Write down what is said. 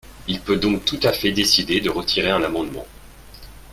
Il peut donc tout à fait décider de retirer un amendement.